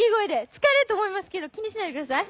疲れると思いますけど気にしないで下さい。